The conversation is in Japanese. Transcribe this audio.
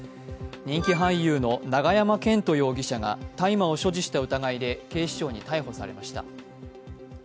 人気俳優の永山絢斗容疑者が大麻を所持した疑いで警視庁に逮捕されました。